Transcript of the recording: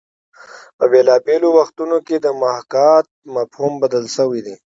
په بېلابېلو وختونو کې د محاکات مفهوم بدل شوی دی